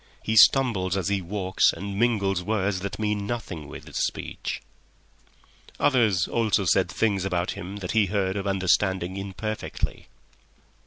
He stumbles as he walks and mingles words that mean nothing with his speech." Others also said things about him that he heard or understood imperfectly.